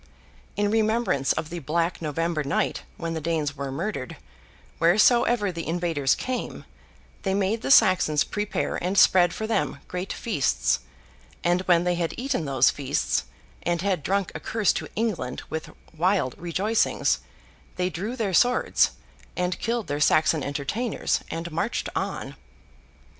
In remembrance of the black November night when the Danes were murdered, wheresoever the invaders came, they made the Saxons prepare and spread for them great feasts; and when they had eaten those feasts, and had drunk a curse to England with wild rejoicings, they drew their swords, and killed their Saxon entertainers, and marched on.